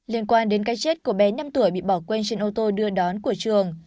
liên quan đến cái chết của bé năm tuổi bị bỏ quên trên ô tô đưa đón của trường